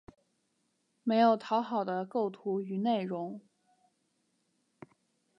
没有讨好的构图与内容